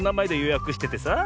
やくしててさ。